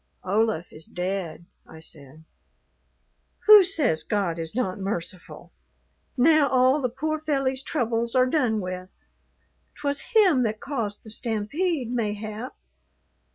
"Olaf is dead," I said. "Who says God is not merciful? Now all the poor felly's troubles are done with. 'Twas him that caused the stampede, mayhap.